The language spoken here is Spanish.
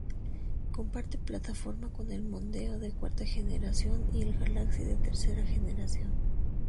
Comparte plataforma con el Mondeo de cuarta generación y el Galaxy de tercera generación.